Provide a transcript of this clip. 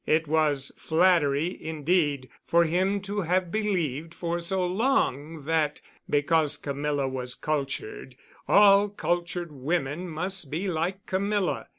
It was flattery, indeed, for him to have believed for so long that, because Camilla was cultured, all cultured women must be like Camilla.